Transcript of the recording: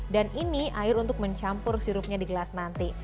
dan ini air untuk mencampur sirupnya di gelas nanti